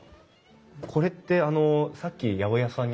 これってあのさっき八百屋さんにあった。